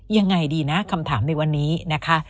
ยังไงดีนะคำถามในวันนี้นะคะ